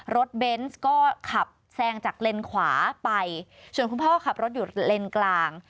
เบนส์ก็ขับแซงจากเลนขวาไปส่วนคุณพ่อขับรถอยู่เลนกลาง